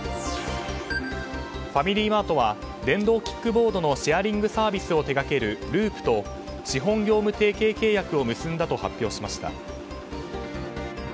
ファミリーマートは電動キックボードのシェアリングサービスを手掛けるＬＵＵＰと資本業務提携契約を結んだと発表しました。